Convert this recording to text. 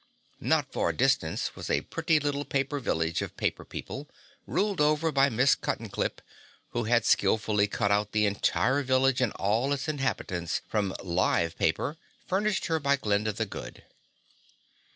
Not far distant was a pretty little paper village of paper people, ruled over by Miss Cuttenclip, who had skillfully cut out the entire village and all its inhabitants from "live" paper furnished her by Glinda the Good.